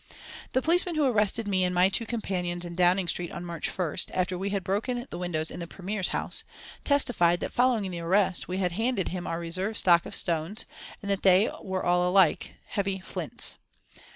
The policemen who arrested me and my two companions in Downing Street on March 1st, after we had broken the windows in the Premier's house, testified that following the arrest, we had handed him our reserve stock of stones, and that they were all alike, heavy flints.